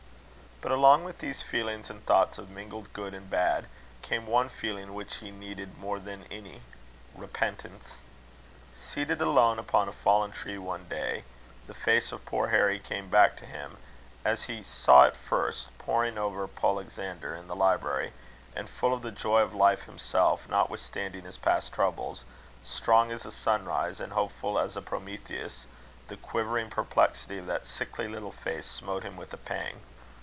But along with these feelings and thoughts, of mingled good and bad, came one feeling which he needed more than any repentance. Seated alone upon a fallen tree one day, the face of poor Harry came back to him, as he saw it first, poring over Polexander in the library; and, full of the joy of life himself, notwithstanding his past troubles, strong as a sunrise, and hopeful as a Prometheus, the quivering perplexity of that sickly little face smote him with a pang.